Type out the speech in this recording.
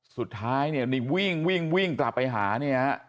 สุดท้ายเนี่ยนี่วิ่งวิ่งวิ่งกลับไปหาเนี่ยฮะ